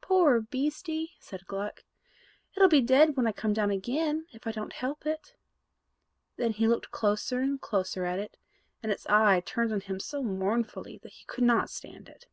"Poor beastie!" said Gluck: "it'll be dead when I come down again, if I don't help it." Then he looked closer and closer at it, and its eye turned on him so mournfully that he could not stand it.